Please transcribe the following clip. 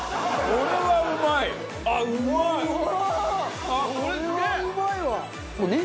これはうまいわ！